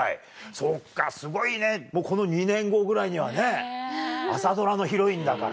そっかすごいねもうこの２年後ぐらいにはね朝ドラのヒロインだからね。